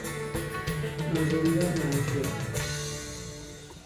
Márzòŋɡá mâ rzɛ̂.